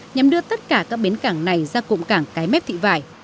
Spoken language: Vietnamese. nhằm đưa tất cả các bến cảng này ra cụm cảng cái mép thị vải